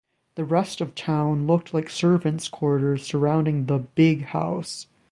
The rest of town looked like servants' quarters surrounding the 'big house'.